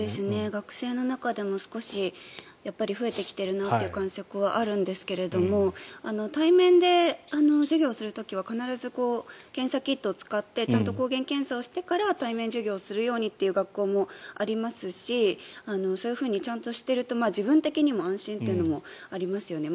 学生の中でも少し増えてきているなという感触はあるんですけども対面で授業する時は必ず検査キットを使ってちゃんと抗原検査をしてから対面授業するようにという学校もありますしそういうふうにちゃんとしていると自分的にも安心というのもありますよね。